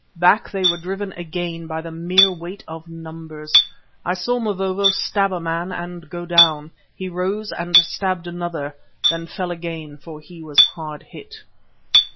Back they were driven again by the mere weight of numbers. I saw Mavovo stab a man and go down. He rose and stabbed another, then fell again for he was hard hit.